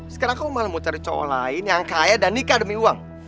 sekarang kamu malah mau cari cok lain yang kaya dan nikah demi uang